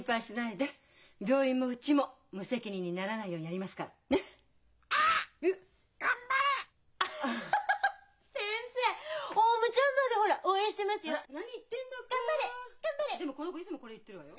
・でもこの子いつもこれ言ってるわよ。